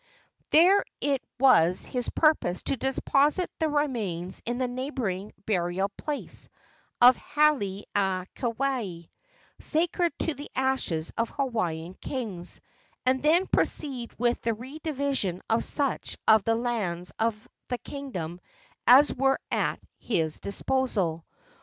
There it was his purpose to deposit the remains in the neighboring burial place of Hale a Keawe, sacred to the ashes of Hawaiian kings, and then proceed with the redivision of such of the lands of the kingdom as were at his disposal.